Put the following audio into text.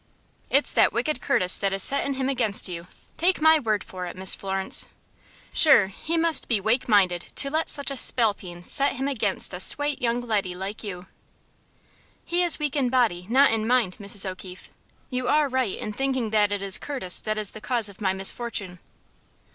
"It's that wicked Curtis that is settin' him against you, take my word for it, Miss Florence. Shure, he must be wake minded to let such a spalpeen set him against a swate young leddy like you." "He is weak in body, not in mind, Mrs. O'Keefe. You are right in thinking that it is Curtis that is the cause of my misfortune."